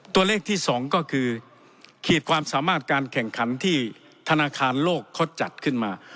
ตัวเลขที่๒ก็คือขีดความสามารถการแข่งขันที่ธนาคารโลกเขาจัดขึ้นมา